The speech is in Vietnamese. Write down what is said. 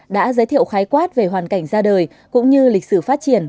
đã giới thiệu khái quát về hoàn cảnh ra đời cũng như lịch sử phát triển